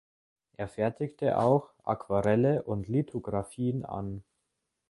Er fertigte auch Aquarelle und Lithografien an.